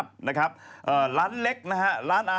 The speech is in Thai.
จากกระแสของละครกรุเปสันนิวาสนะฮะ